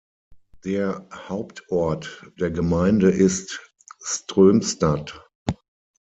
Der Hauptort der Gemeinde ist Strömstad.